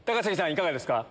いかがですか？